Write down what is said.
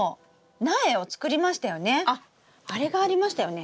あれがありましたよね。